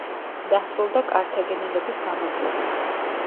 დასრულდა კართაგენელების გამარჯვებით.